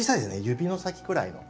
指の先くらいの。